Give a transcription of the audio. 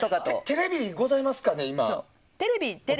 テレビございますか？